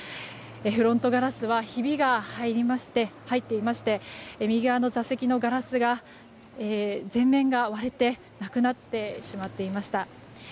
フロントガラスはひびが入っていまして右側の座席のガラスが全面が割れてなくなってしまっていました。